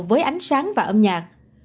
với ánh sáng và âm nhạc